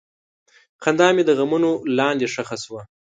خندا مې د غمونو لاندې ښخ شوه.